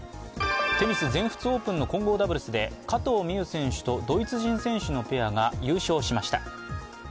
テニス・全仏オープンの混合ダブルスで加藤未唯選手とドイツ人選手のペアが優勝しました。